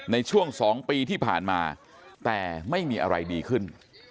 ในช่วง๒ปีที่ผ่านมาแต่ไม่มีอะไรดีขึ้น